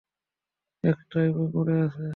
একটাই পড়ে আছে।